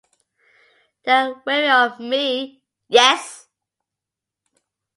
They are wary of me, yes.